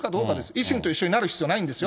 維新と一緒になる必要ないんですよ。